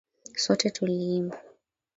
Sote tuliimba.